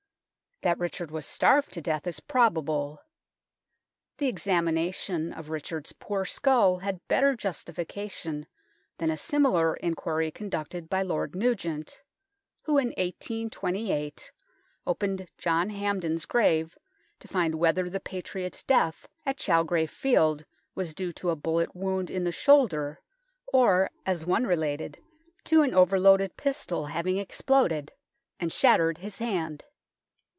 That Richard was starved to death is probable. The examination of Richard's poor skull had better justification than a similar inquiry conducted by Lord Nugent, who in 1828 opened John Hampden's grave to find whether the patriot's death at Chal grove Field was due to a bullet wound in the shoulder, or, as one related, to an over 36 THE TOWER OF LONDON loaded pistol having exploded and shattered his hand.